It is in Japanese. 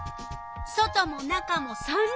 外も中も３０℃。